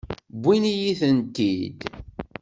Wwin-iyi-tent-id.